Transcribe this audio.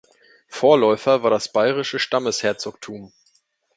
Vorläufer war das bairische Stammesherzogtum.